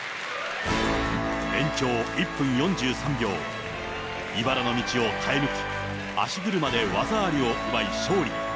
延長１分４３秒、いばらの道を耐え抜き、足ぐるまで技ありを奪い、勝利。